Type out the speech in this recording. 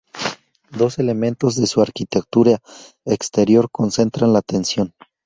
Dos elementos de su arquitectura exterior concentran la atención.